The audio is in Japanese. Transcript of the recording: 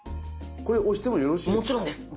これ押してもよろしいですか？